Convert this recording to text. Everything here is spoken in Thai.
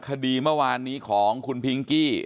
คดีเมื่อวานนี้ของคุณพิงกี้